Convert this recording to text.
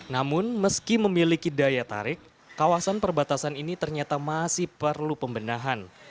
namun meski memiliki daya tarik kawasan perbatasan ini ternyata masih perlu pembenahan